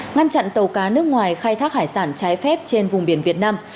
ngăn chặn tàu cá nước ngoài khai thác hải sản trái phép trên vùng biển việt nam